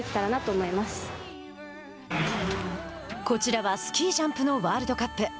こちらはスキージャンプのワールドカップ。